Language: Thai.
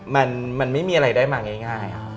มันไม่มีอะไรได้มาง่าย